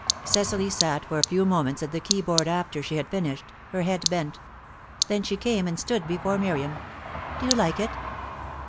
Cecily sat for a few moments at the key board after she had finished, her head bent; then she came and stood before Miriam. "Do you like it?"